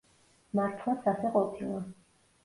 მართლაც ასე ყოფილა.